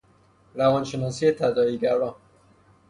روانشناسی تداعی گرا